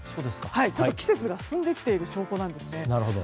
ちょっと季節が進んできている証拠なんですね。